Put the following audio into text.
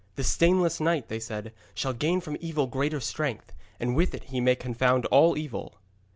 'The stainless knight,' they said, 'shall gain from evil greater strength, and with it he may confound all evil.'